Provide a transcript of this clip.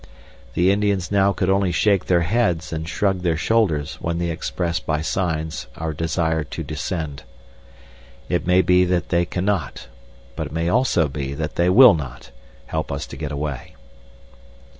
The Indians now could only shake their heads and shrug their shoulders when we expressed by signs our desire to descend. It may be that they cannot, but it may also be that they will not, help us to get away.